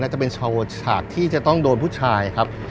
จะเป็นชาวฉากที่จะต้องโดนผู้ชายครับ